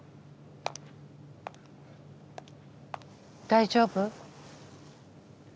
大丈夫？